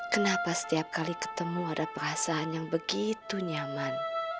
kenapa setiap kali ketemu ada perasaan yang begitu nyaman